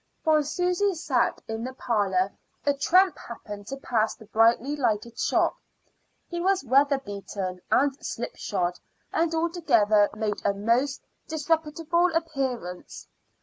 While Susy sat in the parlor a tramp happened to pass the brightly lighted shop. He was weather beaten and slipshod, and altogether made a most disreputable appearance.